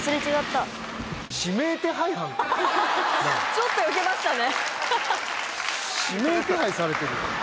ちょっとよけましたね